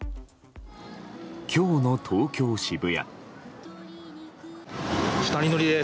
今日の東京・渋谷。